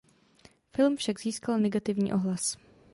Film však získal negativní ohlas.